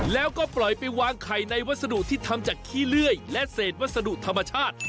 แล้วก็ปล่อยไปวางไข่ในวัสดุที่ทำจากขี้เลื่อยและเศษวัสดุธรรมชาติ